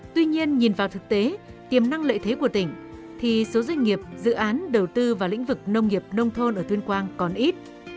tuy nhiên nhìn vào thực tế tiềm năng lợi thế của tỉnh thì số doanh nghiệp dự án đầu tư vào lĩnh vực nông nghiệp nông thôn ở tuyên quang còn ít